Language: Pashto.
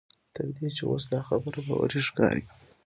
تر دې چې اوس دا خبره باوري ښکاري.